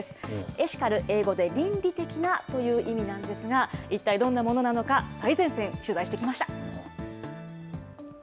エシカル、英語で倫理的なという意味なんですが一体どんなものなのか最前線、取材してきました。